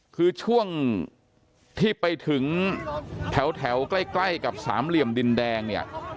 คือช่วงที่ไปถึงแถวใกล้กับสามเหลี่ยมดินแดงเนี่ย